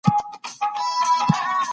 دوی د شګو ماڼۍ جوړوي او بېرته یې نړوي.